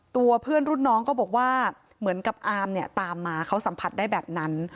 ตัวเพื่อนรุ่นน้องก็บอกว่าเหมือนกับอามเนี่ยตามมาเขาสัมผัสได้แบบนั้น